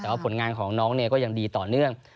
แต่ว่าผลงานของน้องเนี่ยก็ยังดีต่อเนื่อง